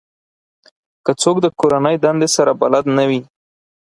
که څوک د کورنۍ دندې سره بلد نه وي